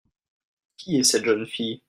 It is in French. Qui est cette jeune fille ?